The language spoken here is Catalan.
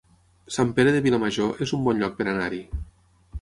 Sant Pere de Vilamajor es un bon lloc per anar-hi